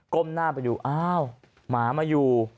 หน้าไปดูอ้าวหมามาอยู่